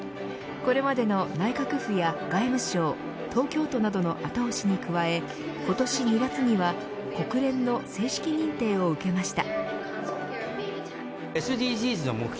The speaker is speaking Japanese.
これまでの内閣府や外務省東京都などの後押しに加え今年２月には国連の正式認定を受けました。